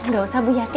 gak usah bu yati